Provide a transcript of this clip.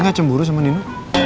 nggak cemburu sama nino